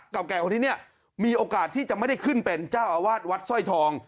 เก่าแก่กว่าที่เนี่ยมีโอกาสที่จะไม่ได้ขึ้นเป็นเจ้าอาวาสวัดสร้อยทอง